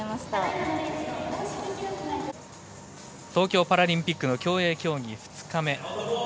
東京パラリンピックの競泳競技２日目。